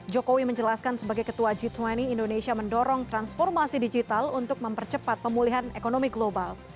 jokowi menjelaskan sebagai ketua g dua puluh indonesia mendorong transformasi digital untuk mempercepat pemulihan ekonomi global